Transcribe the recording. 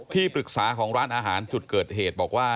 ที่ปรึกษาของร้านอาหารจุดเกิดเหตุบอกว่า